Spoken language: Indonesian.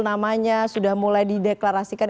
namanya sudah mulai dideklarasikan